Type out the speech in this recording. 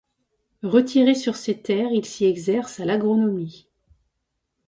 Retiré sur ses terres, il s'y exerce à l'agronomie.